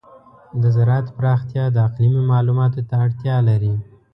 د زراعت پراختیا د اقلیمي معلوماتو ته اړتیا لري.